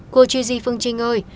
cô chi di phương trinh ơi